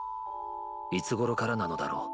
いつ頃からなのだろう。